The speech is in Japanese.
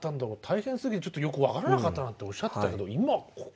大変すぎてちょっとよく分からなかったっておっしゃってたけど今。